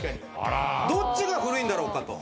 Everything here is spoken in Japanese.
どっちが古いんだろうかと。